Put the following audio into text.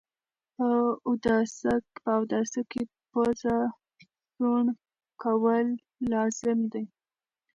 په اوداسه کي پوزه سوڼ کول لازم ده